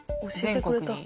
全国に？